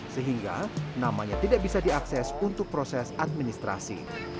sehingga namanya tidak bisa diakses untuk proses administrasi